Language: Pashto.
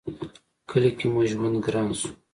کلي کې مو ژوند گران شو